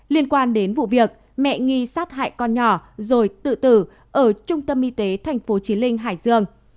liên quan đến vụ việc mẹ nghi sát hại con nhỏ rồi tự tử ở trung tâm y tế tp hcm hải dương